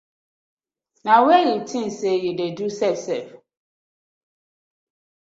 Na were yu tins sey yu dey do sef sef.